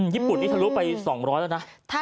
ญี่ปุ่นนี้ทะลุไป๒๐๐แล้วนะ